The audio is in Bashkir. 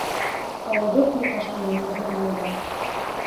Ауыҙы ҡурғаш менән мөһөрләнгән.